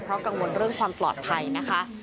เพราะกังวลเรื่องความปลอดภัยนะคะ